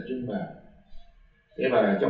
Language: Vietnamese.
thực ra thì rất là khó